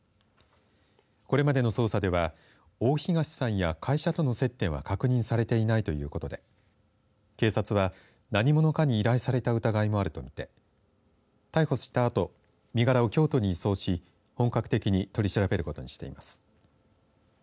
これまでの捜査では大東さんや会社との接点は確認されていないということで警察は何者かに依頼された疑いもあると見て逮捕したあと身柄を京都に移送し本格的に取り調べることにしています。